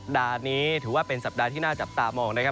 ดาร์นี้ถือว่าเป็นสัปดาห์ที่น่าจับตามองนะครับ